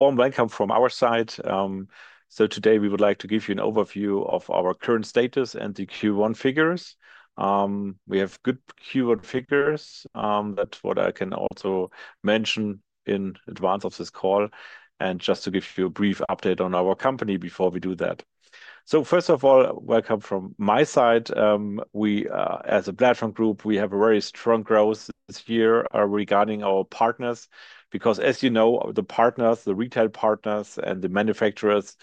Welcome from our side. Today we would like to give you an overview of our current status and the Q1 figures. We have good Q1 figures, that's what I can also mention in advance of this call, and just to give you a brief update on our company before we do that. First of all, welcome from my side. As The Platform Group, we have a very strong growth this year regarding our partners, because as you know, the partners, the retail partners, and the manufacturers,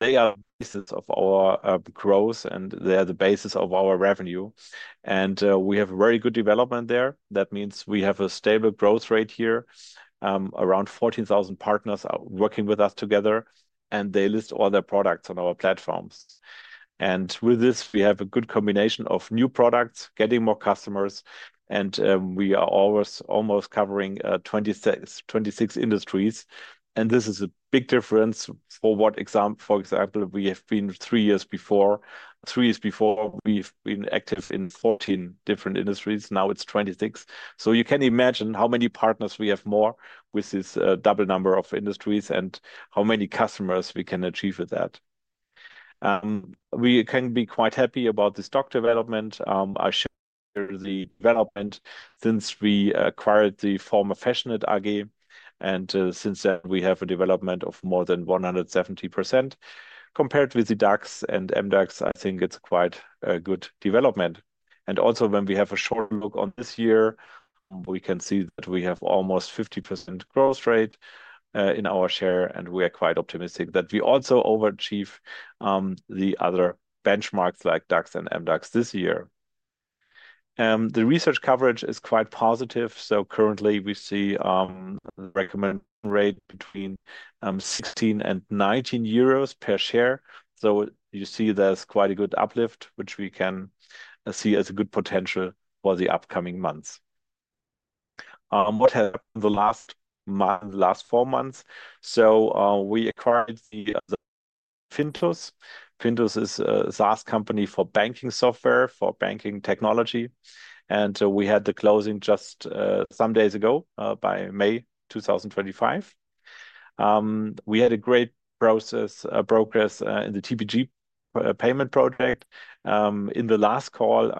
they are the basis of our growth and they are the basis of our revenue. We have a very good development there. That means we have a stable growth rate here. Around 14,000 partners are working with us together, and they list all their products on our platforms. With this, we have a good combination of new products, getting more customers, and we are almost covering 26 industries. This is a big difference for what, for example, we have been three years before. Three years before, we have been active in 14 different industries. Now it is 26. You can imagine how many partners we have more with this double number of industries and how many customers we can achieve with that. We can be quite happy about the stock development. I share the development since we acquired the former Fashionette AG, and since then we have a development of more than 170%. Compared with the DAX and MDAX, I think it is quite a good development. When we have a short look on this year, we can see that we have almost 50% growth rate in our share, and we are quite optimistic that we also overachieve the other benchmarks like DAX and MDAX this year. The research coverage is quite positive. Currently we see a recommendation rate between 16 and 19 euros per share. You see there's quite a good uplift, which we can see as a good potential for the upcoming months. What happened the last four months? We acquired Fintus. Fintus is a SaaS company for banking technology. We had the closing just some days ago, by May 2025. We had great progress in the TPG payment project. In the last call,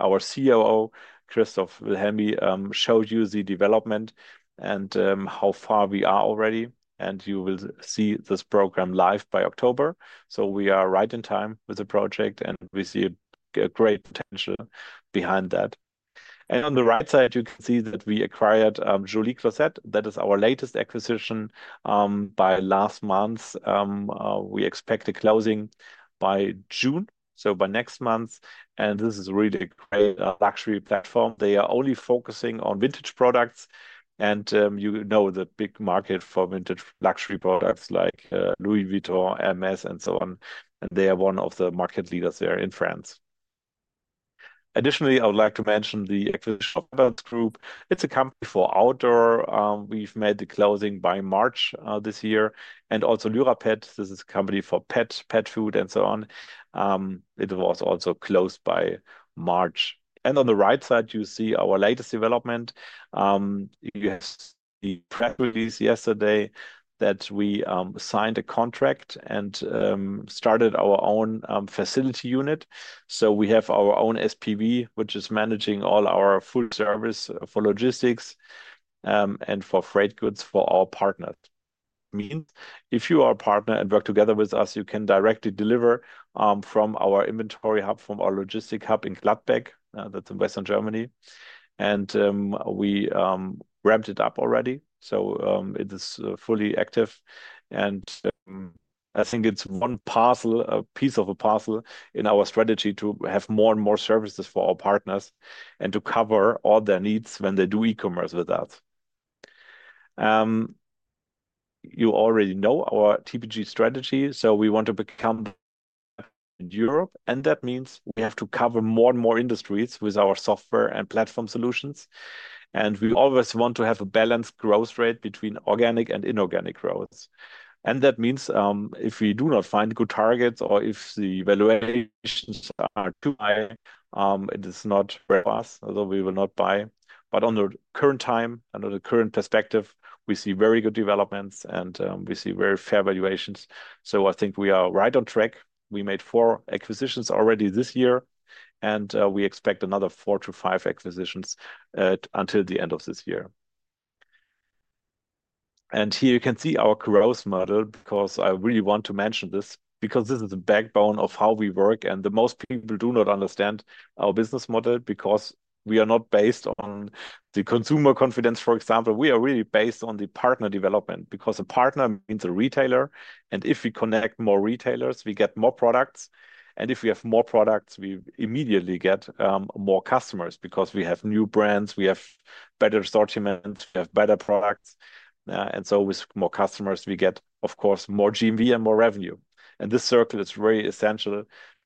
our COO, Christoph Wilhelmy, showed you the development and how far we are already, and you will see this program live by October. We are right in time with the project, and we see a great potential behind that. On the right side, you can see that we acquired Joli Closet. That is our latest acquisition by last month. We expect a closing by June, so by next month. This is really a great luxury platform. They are only focusing on vintage products, and you know the big market for vintage luxury products like Louis Vuitton, Hermès, and so on. They are one of the market leaders there in France. Additionally, I would like to mention the Acquisitions Group. It's a company for outdoor. We've made the closing by March this year. Also, Lyra Pet, this is a company for pets, pet food, and so on. It was also closed by March. On the right side, you see our latest development. You have seen the press release yesterday that we signed a contract and started our own facility unit. We have our own SPV, which is managing all our full service for logistics and for freight goods for our partners. This means if you are a partner and work together with us, you can directly deliver from our inventory hub, from our logistic hub in Gladbeck. That is in western Germany. We ramped it up already. It is fully active. I think it is one piece of a puzzle in our strategy to have more and more services for our partners and to cover all their needs when they do e-commerce with us. You already know our TPG strategy, we want to become in Europe, and that means we have to cover more and more industries with our software and platform solutions. We always want to have a balanced growth rate between organic and inorganic growth. That means if we do not find good targets or if the valuations are too high, it is not for us, we will not buy. At the current time, under the current perspective, we see very good developments and we see very fair valuations. I think we are right on track. We made four acquisitions already this year, and we expect another four to five acquisitions until the end of this year. Here you can see our growth model, because I really want to mention this, because this is the backbone of how we work. Most people do not understand our business model because we are not based on the consumer confidence, for example. We are really based on the partner development because a partner means a retailer. If we connect more retailers, we get more products. If we have more products, we immediately get more customers because we have new brands, we have better sortiments, we have better products. With more customers, we get, of course, more GMV and more revenue. This circle is very essential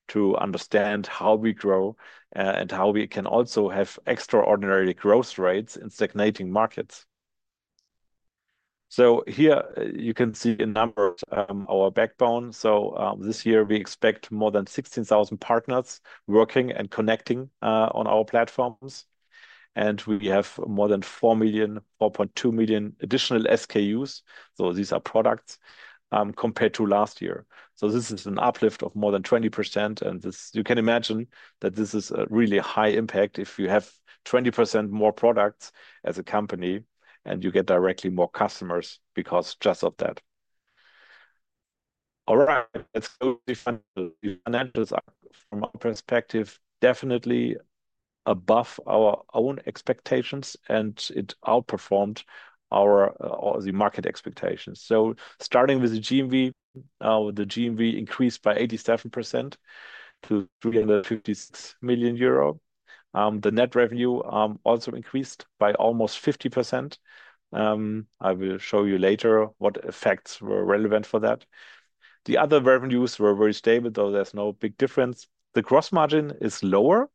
to understand how we grow and how we can also have extraordinary growth rates in stagnating markets. Here you can see the number, our backbone. This year we expect more than 16,000 partners working and connecting on our platforms. We have more than 4 million, 4.2 million additional SKUs. These are products compared to last year. This is an uplift of more than 20%. You can imagine that this is a really high impact if you have 20% more products as a company and you get directly more customers because just of that. All right, let's go to the financials. From our perspective, definitely above our own expectations, and it outperformed the market expectations. Starting with the GMV, the GMV increased by 87% to 356 million euro. The net revenue also increased by almost 50%. I will show you later what effects were relevant for that. The other revenues were very stable, though there is no big difference. The gross margin is lower,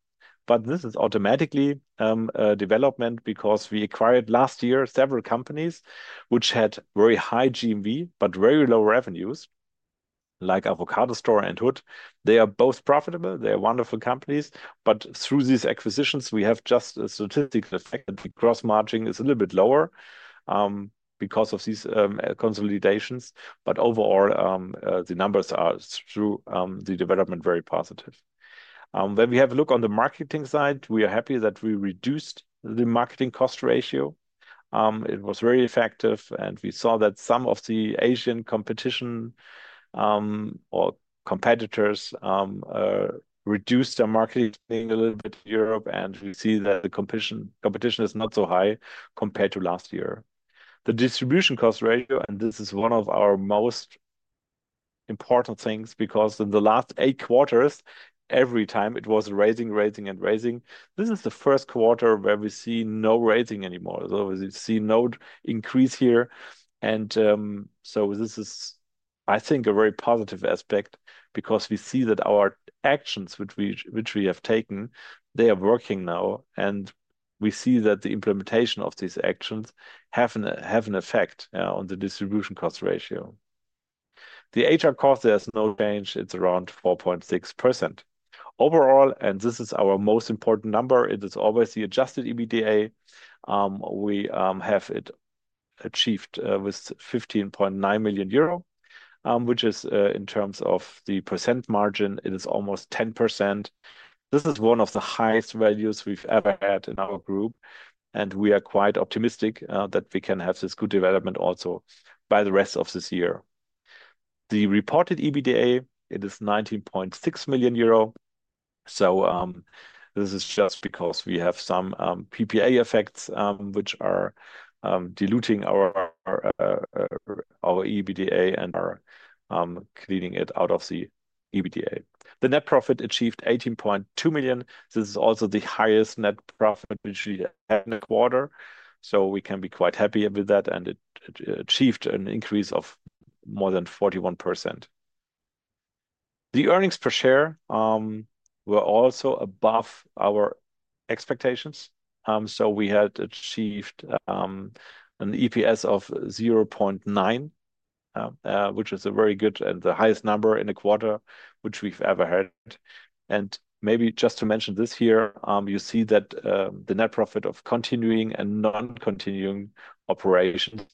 but this is automatically development because we acquired last year several companies which had very high GMV but very low revenues, like Avocadostore and Hood. They are both profitable. They are wonderful companies. Through these acquisitions, we have just a statistical effect that the gross margin is a little bit lower because of these consolidations. Overall, the numbers are through the development very positive. When we have a look on the marketing side, we are happy that we reduced the marketing cost ratio. It was very effective, and we saw that some of the Asian competition or competitors reduced their marketing a little bit in Europe, and we see that the competition is not so high compared to last year. The distribution cost ratio, and this is one of our most important things because in the last eight quarters, every time it was raising, raising, and raising. This is the first quarter where we see no raising anymore. We see no increase here. This is, I think, a very positive aspect because we see that our actions, which we have taken, they are working now. We see that the implementation of these actions have an effect on the distribution cost ratio. The HR cost, there is no change. It is around 4.6% overall, and this is our most important number. It is always the adjusted EBITDA. We have it achieved with 15.9 million euro, which is, in terms of the percent margin, it is almost 10%. This is one of the highest values we have ever had in our group, and we are quite optimistic that we can have this good development also by the rest of this year. The reported EBITDA, it is 19.6 million euro. This is just because we have some PPA effects which are diluting our EBITDA and are cleaning it out of the EBITDA. The net profit achieved 18.2 million. This is also the highest net profit we had in a quarter. We can be quite happy with that, and it achieved an increase of more than 41%. The earnings per share were also above our expectations. We had achieved an EPS of 0.9, which is a very good and the highest number in a quarter which we've ever had. Maybe just to mention this here, you see that the net profit of continuing and non-continuing operations,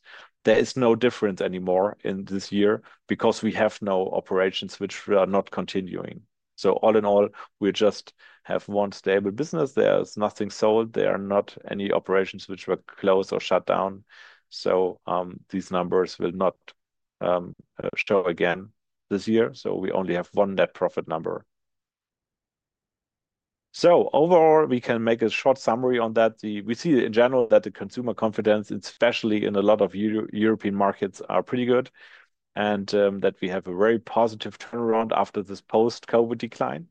there is no difference anymore in this year because we have no operations which are not continuing. All in all, we just have one stable business. There is nothing sold. There are not any operations which were closed or shut down. These numbers will not show again this year. We only have one net profit number. Overall, we can make a short summary on that. We see in general that the consumer confidence, especially in a lot of European markets, is pretty good and that we have a very positive turnaround after this post-COVID decline.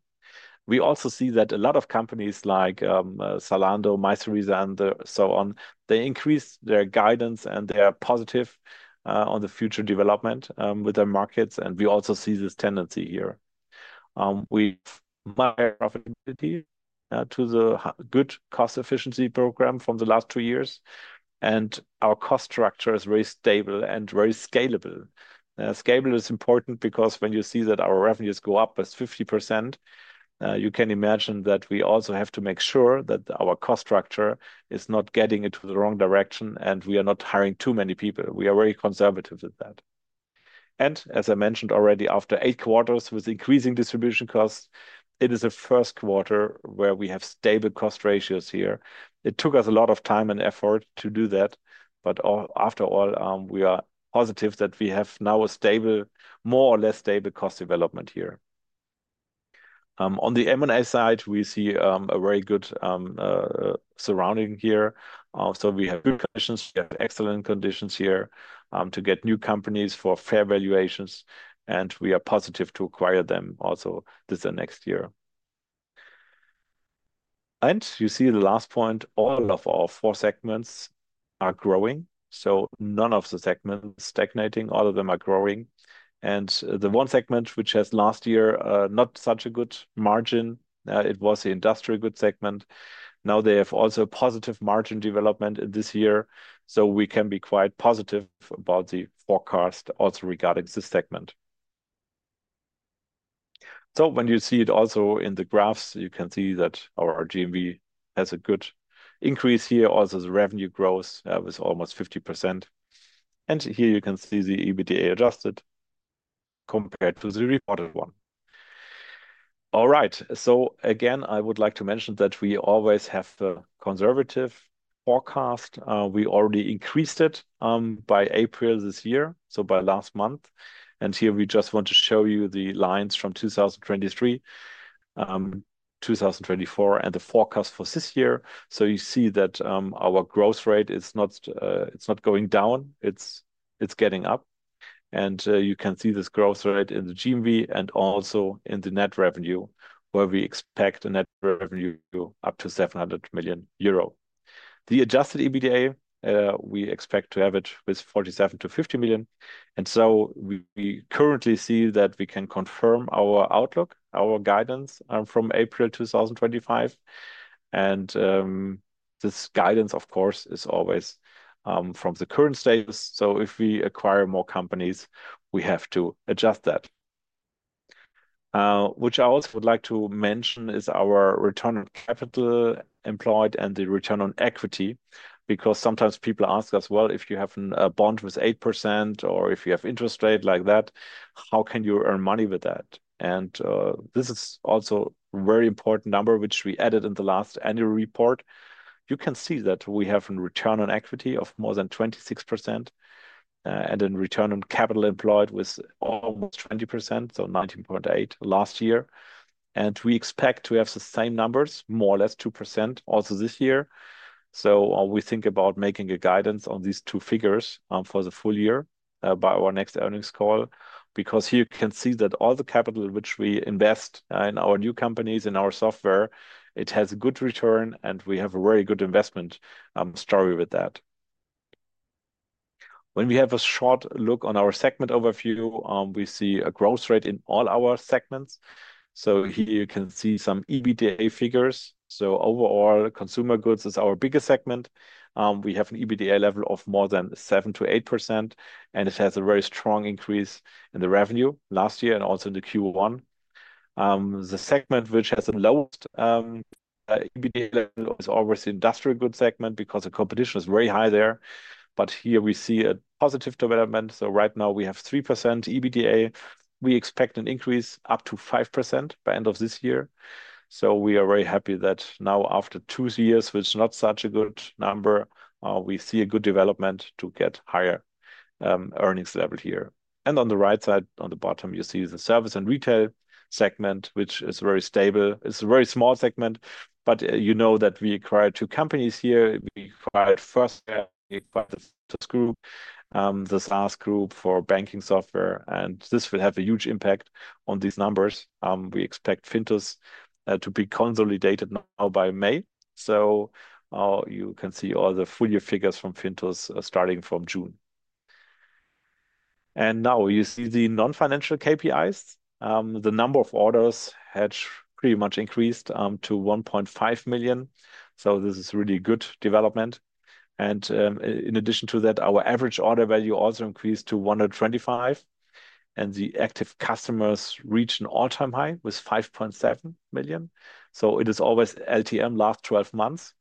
We also see that a lot of companies like Zalando, Meisterwiese, and so on, they increased their guidance and they are positive on the future development with their markets. We also see this tendency here. We've made profitability due to the good cost efficiency program from the last two years, and our cost structure is very stable and very scalable. Scalable is important because when you see that our revenues go up by 50%, you can imagine that we also have to make sure that our cost structure is not getting into the wrong direction and we are not hiring too many people. We are very conservative with that. As I mentioned already, after eight quarters with increasing distribution costs, it is a first quarter where we have stable cost ratios here. It took us a lot of time and effort to do that, but after all, we are positive that we have now a stable, more or less stable cost development here. On the M&A side, we see a very good surrounding here. We have good conditions. We have excellent conditions here to get new companies for fair valuations, and we are positive to acquire them also this next year. You see the last point, all of our four segments are growing. None of the segments are stagnating. All of them are growing. The one segment which has last year not such a good margin, it was the industrial goods segment. Now they have also a positive margin development this year. We can be quite positive about the forecast also regarding this segment. When you see it also in the graphs, you can see that our GMV has a good increase here. Also, the revenue growth was almost 50%. Here you can see the adjusted EBITDA compared to the reported one. All right, I would like to mention that we always have the conservative forecast. We already increased it by April this year, by last month. Here we just want to show you the lines from 2023, 2024, and the forecast for this year. You see that our growth rate is not going down. It is getting up. You can see this growth rate in the GMV and also in the net revenue, where we expect a net revenue up to 700 million euro. The adjusted EBITDA, we expect to have it with 47-50 million. We currently see that we can confirm our outlook, our guidance from April 2025. This guidance, of course, is always from the current status. If we acquire more companies, we have to adjust that. Which I also would like to mention is our return on capital employed and the return on equity, because sometimes people ask us, if you have a bond with 8% or if you have interest rate like that, how can you earn money with that? This is also a very important number, which we added in the last annual report. You can see that we have a return on equity of more than 26% and a return on capital employed with almost 20%, so 19.8% last year. We expect to have the same numbers, more or less 2% also this year. We think about making a guidance on these two figures for the full year by our next earnings call, because here you can see that all the capital which we invest in our new companies, in our software, it has a good return and we have a very good investment story with that. When we have a short look on our segment overview, we see a growth rate in all our segments. Here you can see some EBITDA figures. Overall, consumer goods is our biggest segment. We have an EBITDA level of more than 7-8%, and it has a very strong increase in the revenue last year and also in the Q1. The segment which has the lowest EBITDA level is always the industrial goods segment because the competition is very high there. Here we see a positive development. Right now we have 3% EBITDA. We expect an increase up to 5% by the end of this year. We are very happy that now after two years, which is not such a good number, we see a good development to get higher earnings level here. On the right side, on the bottom, you see the service and retail segment, which is very stable. It's a very small segment, but you know that we acquired two companies here. First, we acquired Fintus, the SaaS group for banking software, and this will have a huge impact on these numbers. We expect Fintus to be consolidated now by May. You can see all the full year figures from Fintus starting from June. Now you see the non-financial KPIs. The number of orders has pretty much increased to 1.5 million. This is really good development. In addition to that, our average order value also increased to 125. The active customers reached an all-time high with 5.7 million. It is always LTM, last 12 months.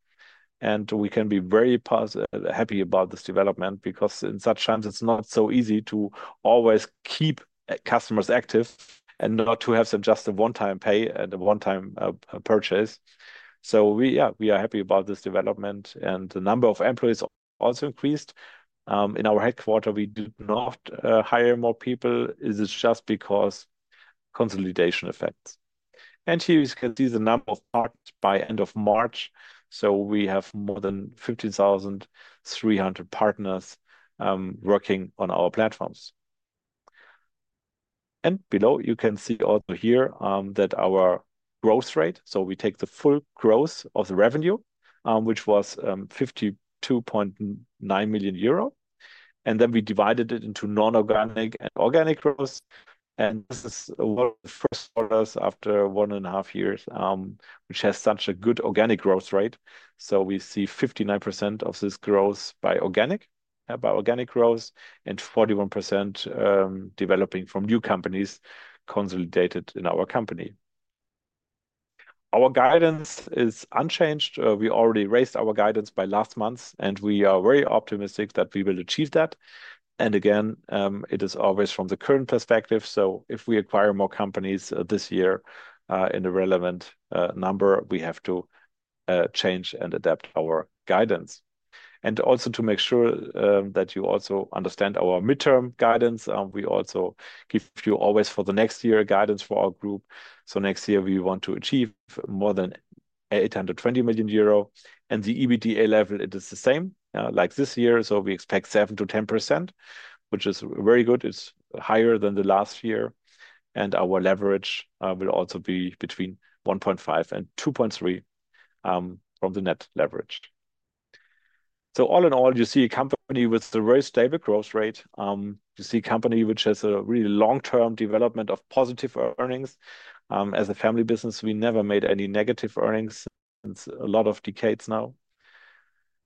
We can be very happy about this development because in such times it's not so easy to always keep customers active and not to have them just a one-time pay and a one-time purchase. We are happy about this development. The number of employees also increased. In our headquarter, we did not hire more people. It is just because of consolidation effects. Here you can see the number of partners by the end of March. We have more than 15,300 partners working on our platforms. Below you can see also here that our growth rate, so we take the full growth of the revenue, which was 52.9 million euro. Then we divided it into non-organic and organic growth. This is one of the first orders after one and a half years, which has such a good organic growth rate. We see 59% of this growth by organic growth and 41% developing from new companies consolidated in our company. Our guidance is unchanged. We already raised our guidance by last month, and we are very optimistic that we will achieve that. Again, it is always from the current perspective. If we acquire more companies this year in the relevant number, we have to change and adapt our guidance. Also, to make sure that you also understand our midterm guidance, we also give you always for the next year guidance for our group. Next year we want to achieve more than 820 million euro. At the EBITDA level, it is the same like this year. We expect 7%-10%, which is very good. It is higher than last year. Our leverage will also be between 1.5-2.3 from the net leverage. All in all, you see a company with a very stable growth rate. You see a company which has a really long-term development of positive earnings. As a family business, we never made any negative earnings in a lot of decades now.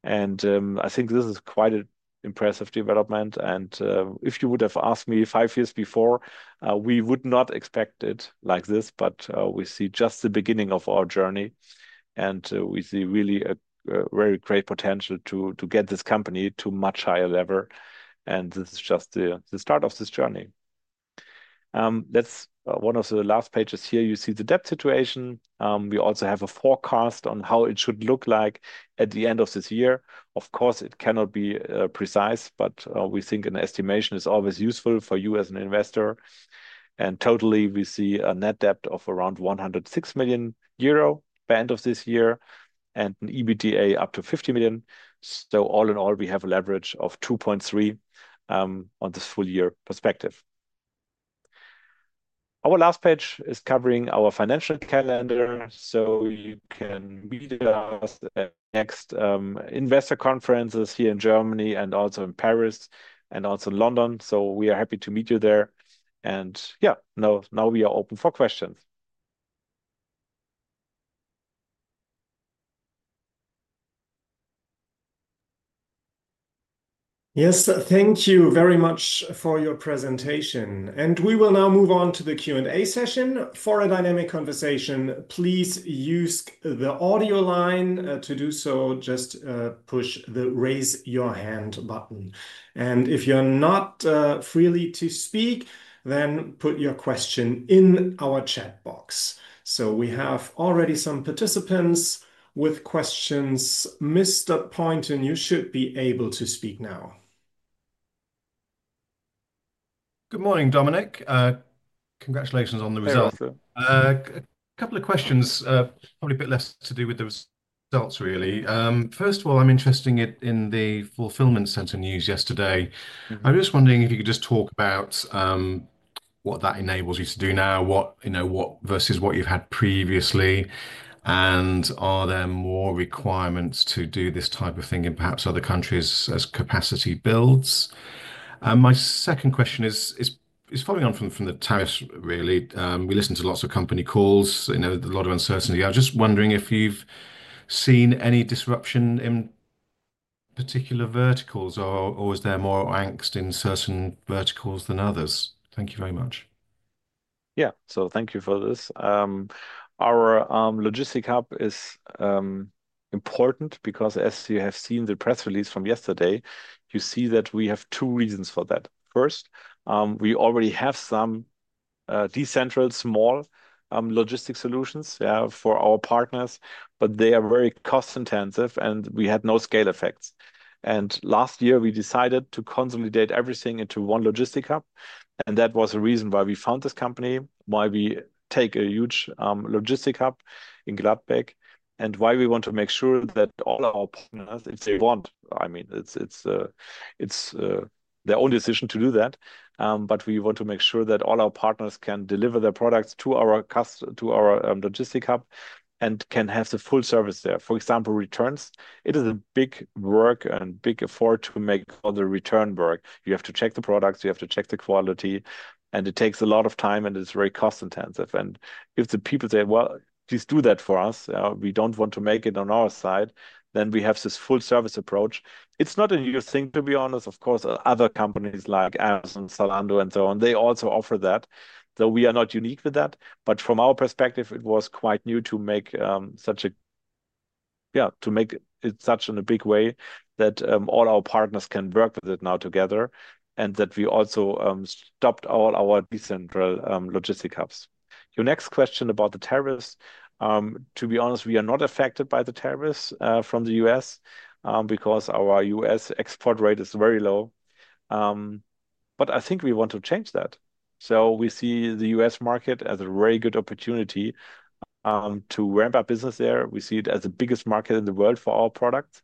I think this is quite an impressive development. If you would have asked me five years before, we would not expect it like this, but we see just the beginning of our journey. We see really a very great potential to get this company to a much higher level. This is just the start of this journey. That is one of the last pages here. You see the debt situation. We also have a forecast on how it should look like at the end of this year. Of course, it cannot be precise, but we think an estimation is always useful for you as an investor. Totally, we see a net debt of around 106 million euro by the end of this year and an EBITDA up to 50 million. All in all, we have a leverage of 2.3 on this full year perspective. Our last page is covering our financial calendar. You can meet us at the next investor conferences here in Germany and also in Paris and also London. We are happy to meet you there. Yeah, now we are open for questions. Yes, thank you very much for your presentation. We will now move on to the Q&A session. For a dynamic conversation, please use the audio line. To do so, just push the raise your hand button. If you are not freely to speak, then put your question in our chat box. We have already some participants with questions. Mr. Poynton, you should be able to speak now. Good morning, Dominik. Congratulations on the result. A couple of questions, probably a bit less to do with the results, really. First of all, I am interested in the fulfillment center news yesterday. I was just wondering if you could just talk about what that enables you to do now, what versus what you have had previously, and are there more requirements to do this type of thing in perhaps other countries as capacity builds? My second question is following on from the tariffs, really. We listen to lots of company calls, a lot of uncertainty. I am just wondering if you have seen any disruption in particular verticals, or is there more angst in certain verticals than others? Thank you very much. Yeah, thank you for this. Our logistic hub is important because, as you have seen the press release from yesterday, you see that we have two reasons for that. First, we already have some decentralized small logistics solutions for our partners, but they are very cost-intensive and we had no scale effects. Last year, we decided to consolidate everything into one logistic hub. That was the reason why we found this company, why we take a huge logistic hub in Gladbeck, and why we want to make sure that all our partners, if they want, I mean, it's their own decision to do that, but we want to make sure that all our partners can deliver their products to our logistic hub and can have the full service there. For example, returns, it is a big work and big effort to make all the return work. You have to check the products, you have to check the quality, and it takes a lot of time and it's very cost-intensive. If the people say, please do that for us, we don't want to make it on our side, then we have this full service approach. It's not a new thing, to be honest. Of course, other companies like Amazon, Zalando, and so on, they also offer that. We are not unique with that. From our perspective, it was quite new to make it such in a big way that all our partners can work with it now together and that we also stopped all our decentralized logistics hubs. Your next question about the tariffs, to be honest, we are not affected by the tariffs from the U.S. because our U.S. export rate is very low. I think we want to change that. We see the U.S. market as a very good opportunity to ramp up business there. We see it as the biggest market in the world for our products.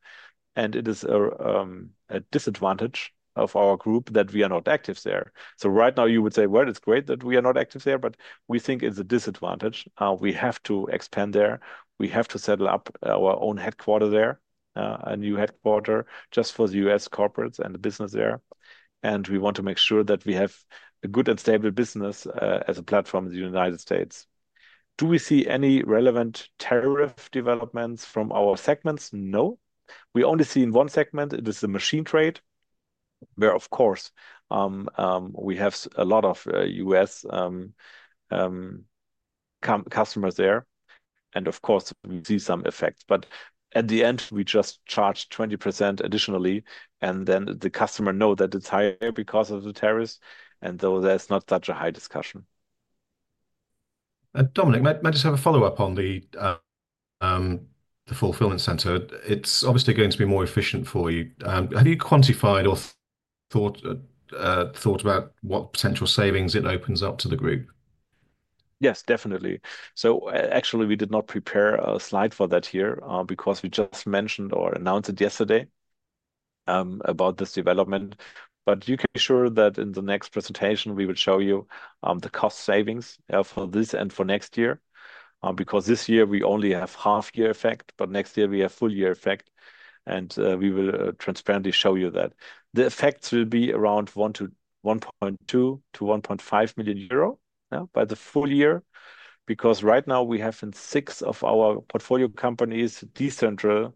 It is a disadvantage of our group that we are not active there. Right now, you would say, well, it's great that we are not active there, but we think it's a disadvantage. We have to expand there. We have to set up our own headquarters there, a new headquarters just for the US corporates and the business there. We want to make sure that we have a good and stable business as a platform in the United States. Do we see any relevant tariff developments from our segments? No. We only see in one segment, it is the machine trade, where of course, we have a lot of US customers there. Of course, we see some effects. At the end, we just charge 20% additionally. The customer knows that it's higher because of the tariffs. There is not such a high discussion. Dominik, might I just have a follow-up on the fulfillment center? It's obviously going to be more efficient for you. Have you quantified or thought about what potential savings it opens up to the group? Yes, definitely. Actually, we did not prepare a slide for that here because we just mentioned or announced it yesterday about this development. You can be sure that in the next presentation, we will show you the cost savings for this and for next year. This year, we only have half-year effect, but next year, we have full-year effect. We will transparently show you that. The effects will be around 1.2 million-1.5 million euro by the full year. Right now, we have in six of our portfolio companies decentralized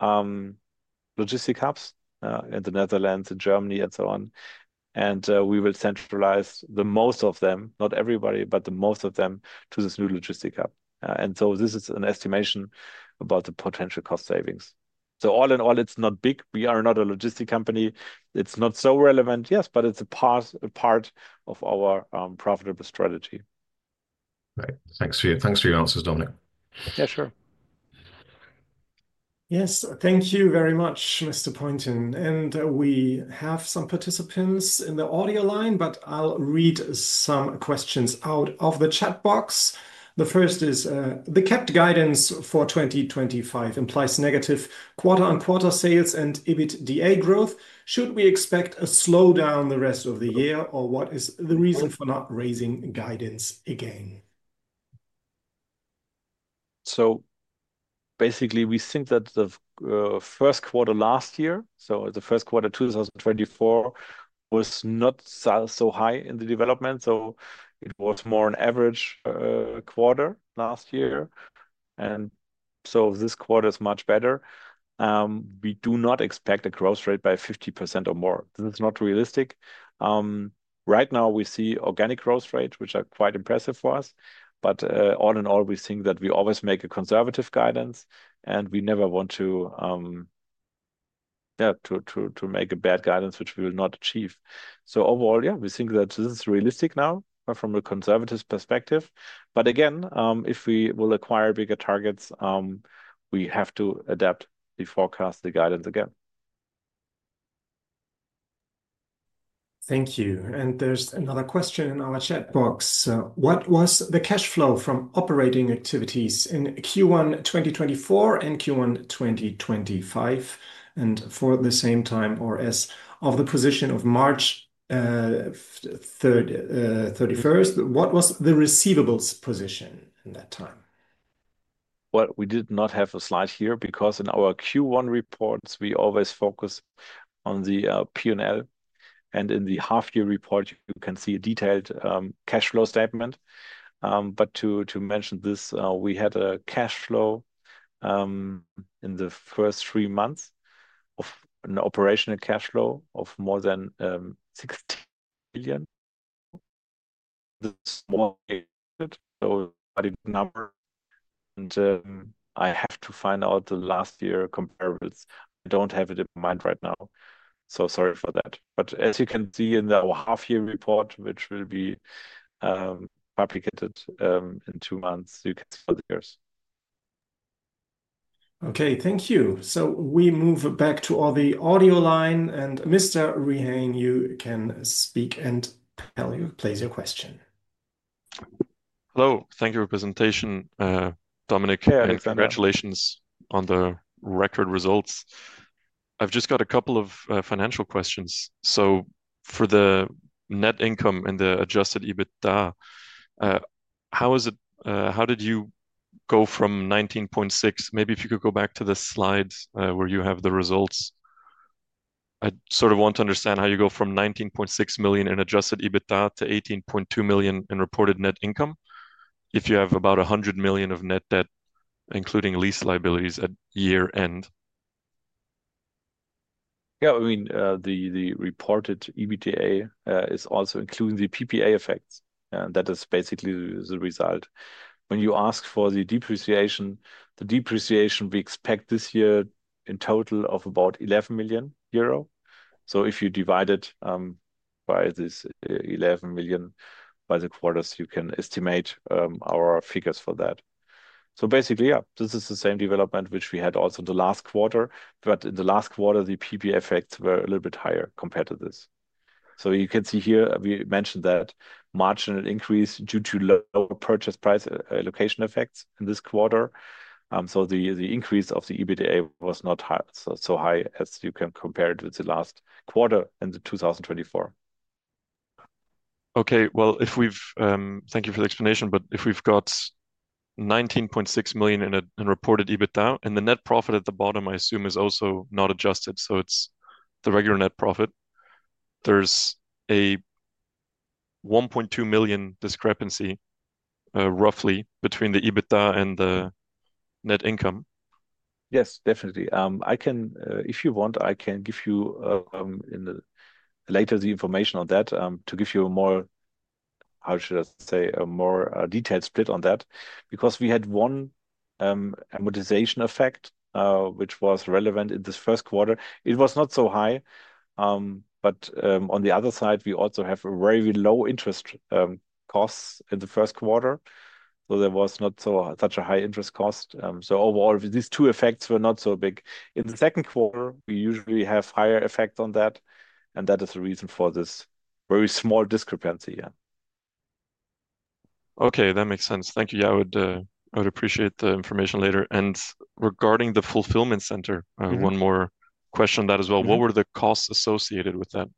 logistic hubs in the Netherlands, in Germany, and so on. We will centralize most of them, not everybody, but most of them to this new logistic hub. This is an estimation about the potential cost savings. All in all, it is not big. We are not a logistics company. It is not so relevant, yes, but it is a part of our profitable strategy. Right. Thanks for your answers, Dominik. Yeah, sure. Yes, thank you very much, Mr. Poynton. We have some participants in the audio line, but I will read some questions out of the chat box. The first is, the kept guidance for 2025 implies negative quarter-on-quarter sales and EBITDA growth. Should we expect a slowdown the rest of the year, or what is the reason for not raising guidance again? Basically, we think that the first quarter last year, so the first quarter 2024, was not so high in the development. It was more an average quarter last year. This quarter is much better. We do not expect a growth rate by 50% or more. This is not realistic. Right now, we see organic growth rates, which are quite impressive for us. All in all, we think that we always make a conservative guidance. We never want to, yeah, to make a bad guidance, which we will not achieve. Overall, yeah, we think that this is realistic now from a conservative perspective. Again, if we will acquire bigger targets, we have to adapt the forecast, the guidance again. Thank you. There is another question in our chat box. What was the cash flow from operating activities in Q1 2024 and Q1 2025? For the same time or as of the position of March 31st, what was the receivables position in that time? We did not have a slide here because in our Q1 reports, we always focus on the P&L. In the half-year report, you can see a detailed cash flow statement. To mention this, we had a cash flow in the first three months of an operational cash flow of more than 16 billion. This is more than a number. I have to find out the last year comparables. I do not have it in mind right now. Sorry for that. As you can see in the half-year report, which will be published in two months, you can see all the years. Okay, thank you. We move back to the audio line. Mr. Riehain, you can speak and please your question. Hello. Thank you for your presentation, Dominik. Congratulations on the record results. I have just got a couple of financial questions. For the net income and the adjusted EBITDA, how did you go from 19.6? Maybe if you could go back to the slide where you have the results. I sort of want to understand how you go from 19.6 million in adjusted EBITDA to 18.2 million in reported net income if you have about 100 million of net debt, including lease liabilities at year end. Yeah, I mean, the reported EBITDA is also including the PPA effects. That is basically the result. When you ask for the depreciation, the depreciation we expect this year in total of about 11 million euro. If you divide this 11 million by the quarters, you can estimate our figures for that. Basically, this is the same development which we had also in the last quarter. In the last quarter, the PPA effects were a little bit higher compared to this. You can see here, we mentioned that marginal increase due to lower purchase price allocation effects in this quarter. The increase of the EBITDA was not so high as you can compare it with the last quarter in 2024. If we've, thank you for the explanation, but if we've got 19.6 million in reported EBITDA and the net profit at the bottom, I assume, is also not adjusted. It is the regular net profit. There is a 1.2 million discrepancy roughly between the EBITDA and the net income. Yes, definitely. If you want, I can give you later the information on that to give you a more, how should I say, a more detailed split on that. We had one amortization effect, which was relevant in this first quarter. It was not so high. On the other side, we also have very low interest costs in the first quarter. There was not such a high interest cost. Overall, these two effects were not so big. In the second quarter, we usually have higher effect on that. That is the reason for this very small discrepancy. Yeah. Okay, that makes sense. Thank you. Yeah, I would appreciate the information later. Regarding the fulfillment center, one more question on that as well. What were the costs associated with that?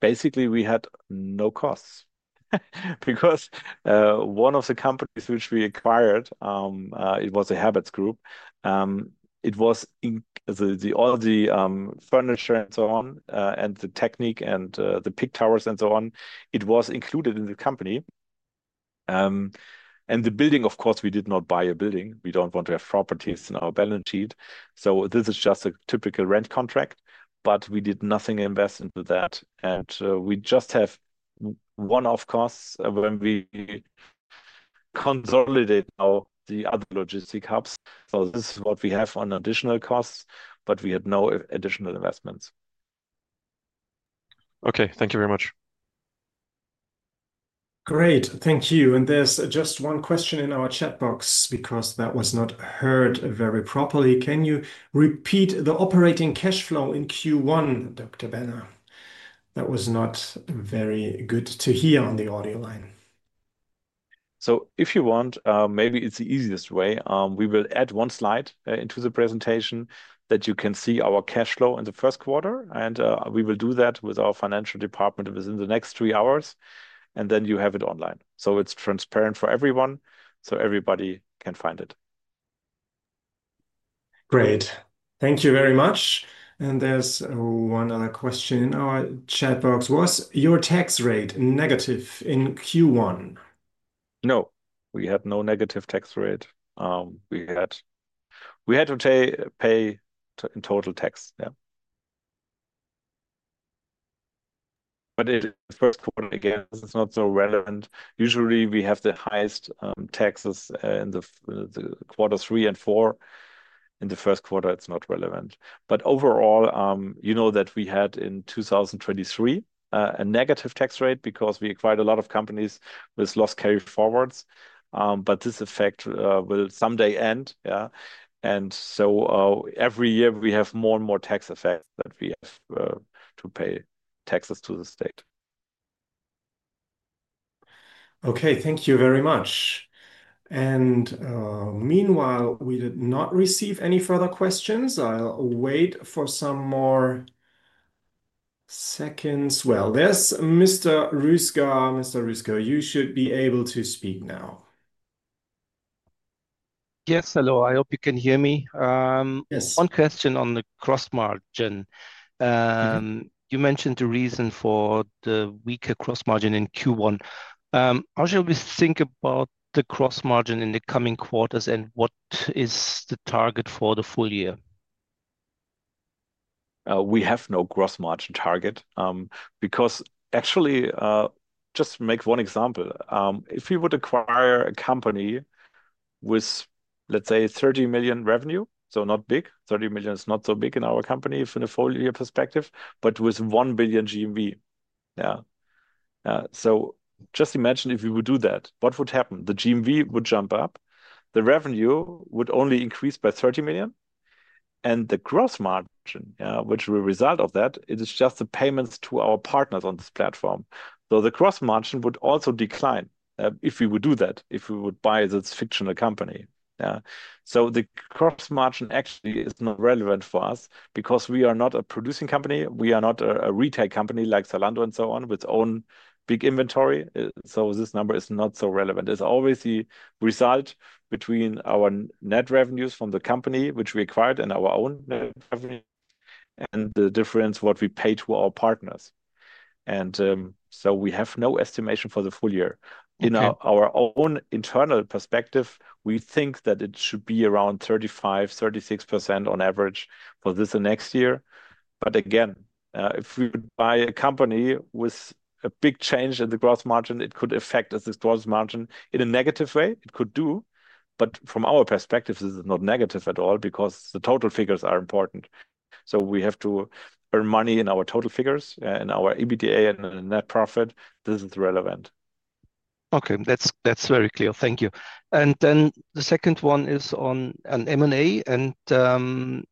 Basically, we had no costs. Because one of the companies which we acquired, it was Habitus Group. It was all the furniture and so on, and the technique and the pick towers and so on, it was included in the company. The building, of course, we did not buy a building. We do not want to have properties in our balance sheet. This is just a typical rent contract. We did not invest into that. We just have one-off costs when we consolidate now the other logistic hubs. This is what we have on additional costs, but we had no additional investments. Thank you very much. Great. Thank you. There is just one question in our chat box because that was not heard very properly. Can you repeat the operating cash flow in Q1, Dr. Benner? That was not very good to hear on the audio line. If you want, maybe it is the easiest way. We will add one slide into the presentation so you can see our cash flow in the first quarter. We will do that with our financial department within the next three hours. Then you have it online. It is transparent for everyone. Everybody can find it. Great. Thank you very much. There is one other question in our chat box. Was your tax rate negative in Q1? No, we had no negative tax rate. We had to pay in total tax. Yeah. In the first quarter, again, it is not so relevant. Usually, we have the highest taxes in quarter three and four. In the first quarter, it is not relevant. Overall, you know that we had in 2023 a negative tax rate because we acquired a lot of companies with loss carry forwards. This effect will someday end. Yeah. Every year, we have more and more tax effects that we have to pay taxes to the state. Okay, thank you very much. Meanwhile, we did not receive any further questions. I will wait for some more seconds. There is Mr. Rüsker. Yes, hello. I hope you can hear me. One question on the gross margin. You mentioned the reason for the weaker gross margin in Q1. How should we think about the gross margin in the coming quarters and what is the target for the full year? We have no gross margin target. Because actually, just to make one example, if we would acquire a company with, let's say, 30 million revenue, so not big, 30 million is not so big in our company from a full-year perspective, but with 1 billion GMV. Yeah. Just imagine if we would do that, what would happen? The GMV would jump up. The revenue would only increase by 30 million. And the gross margin, which will result of that, it is just the payments to our partners on this platform. The gross margin would also decline if we would do that, if we would buy this fictional company. Yeah. The gross margin actually is not relevant for us because we are not a producing company. We are not a retail company like Zalando and so on with own big inventory. This number is not so relevant. It is always the result between our net revenues from the company, which we acquired, and our own net revenue, and the difference what we pay to our partners. We have no estimation for the full year. In our own internal perspective, we think that it should be around 35%-36% on average for this and next year. Again, if we would buy a company with a big change in the gross margin, it could affect the gross margin in a negative way. It could do. From our perspective, this is not negative at all because the total figures are important. We have to earn money in our total figures, in our EBITDA and in net profit. This is relevant. Okay, that's very clear. Thank you. The second one is on M&A.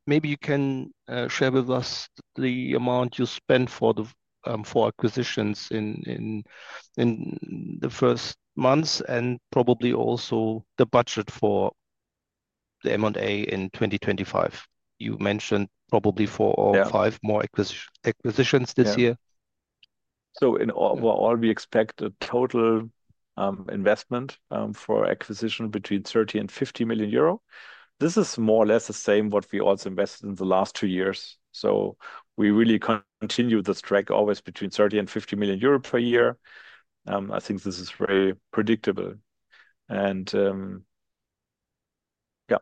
Maybe you can share with us the amount you spent for the four acquisitions in the first months and probably also the budget for the M&A in 2025. You mentioned probably four or five more acquisitions this year. In all, we expect a total investment for acquisition between 30 million-50 million euro. This is more or less the same as what we also invested in the last two years. We really continue the strike always between 30 million-50 million euro per year. I think this is very predictable. And yeah.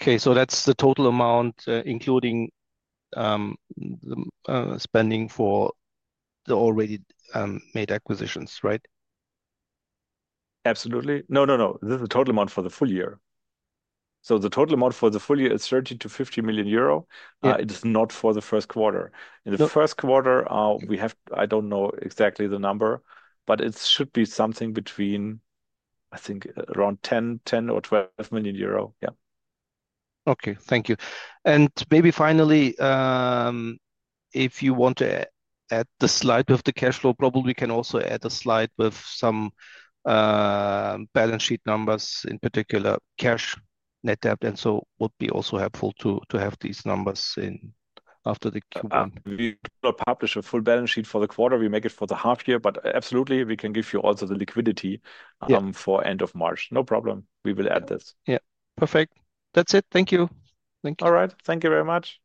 Okay, so that's the total amount including spending for the already made acquisitions, right? Absolutely. No, no, no. This is the total amount for the full year. The total amount for the full year is 30 million-50 million euro. It is not for the first quarter. In the first quarter, we have, I do not know exactly the number, but it should be something between, I think, around 10 million, 10 million or 12 million euro. Yeah. Okay, thank you. Maybe finally, if you want to add the slide of the cash flow, probably we can also add a slide with some balance sheet numbers in particular, cash, net debt, and so would be also helpful to have these numbers after the Q1. We will publish a full balance sheet for the quarter. We make it for the half year, but absolutely, we can give you also the liquidity for end of March. No problem. We will add this. Yeah. Perfect. That's it. Thank you. Thank you. All right. Thank you very much.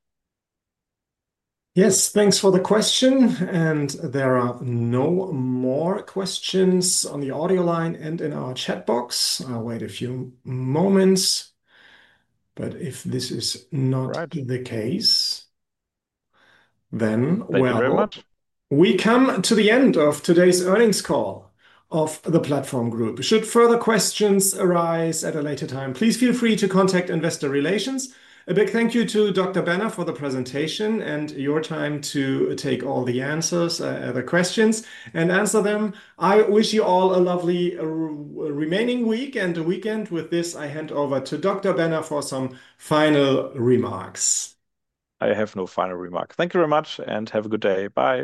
Yes, thanks for the question. There are no more questions on the audio line and in our chat box. I'll wait a few moments. If this is not the case, then we're all set. Thank you very much. We come to the end of today's earnings call of The Platform Group. Should further questions arise at a later time, please feel free to contact Investor Relations. A big thank you to Dr. Benner for the presentation and your time to take all the answers, the questions, and answer them. I wish you all a lovely remaining week and a weekend. With this, I hand over to Dr. Benner for some final remarks. I have no final remarks. Thank you very much and have a good day. Bye.